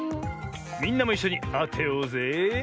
みんなもいっしょにあてようぜ。